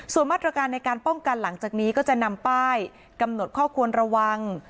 ส่วนมาตรการในการป้องกันหลังจากนี้ก็จะนำป้ายกำหนดข้อควรระวัง